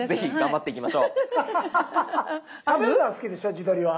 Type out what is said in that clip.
食べるのは好きでしょ？地鶏は。